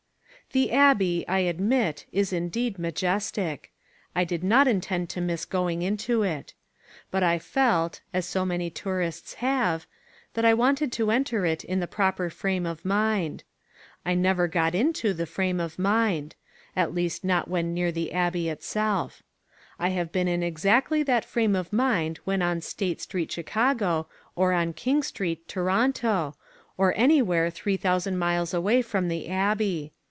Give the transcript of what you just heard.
The Abbey, I admit, is indeed majestic. I did not intend to miss going into it. But I felt, as so many tourists have, that I wanted to enter it in the proper frame of mind. I never got into the frame of mind; at least not when near the Abbey itself. I have been in exactly that frame of mind when on State Street, Chicago, or on King Street, Toronto, or anywhere three thousand miles away from the Abbey.